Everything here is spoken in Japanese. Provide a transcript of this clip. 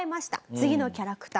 次のキャラクター。